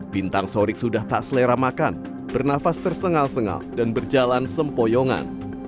bintang sodik sudah tak selera makan bernafas tersengal sengal dan berjalan sempoyongan